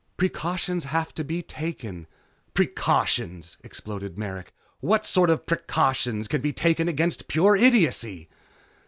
Precautions have to be taken " "Precautions!" exploded Merrick. "What sort of precautions can be taken against pure idiocy?"